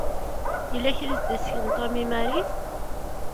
Yella kra i s-d-isken Tom i Mary.